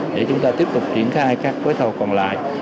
để chúng ta tiếp tục triển thai các vớ thầu còn lại